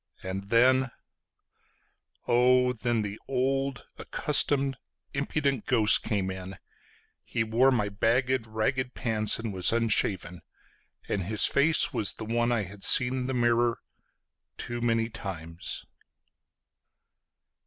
And then …Oh, then the old accustomed, impudent ghost came in:He wore my bagged, ragged pants, and was unshaven; And his face was the one I had seen in the mirrorToo many times.